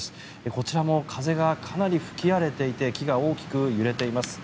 こちらも風がかなり吹き荒れていて木が大きく揺れています。